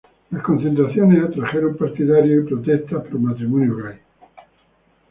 Las concentraciones atrajeron partidarios y protestas pro-matrimonio gay.